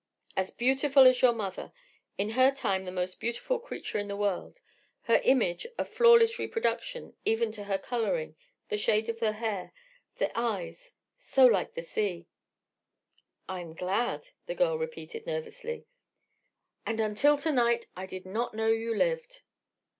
"As beautiful as your mother—in her time the most beautiful creature in the world—her image, a flawless reproduction, even to her colouring, the shade of the hair, the eyes—so like the sea!" "I am glad," the girl repeated, nervously. "And until to night I did not know you lived!"